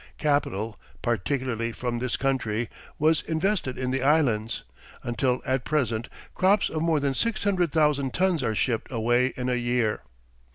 Capital, particularly from this country, was invested in the Islands, until at present crops of more than 600,000 tons are shipped away in a year.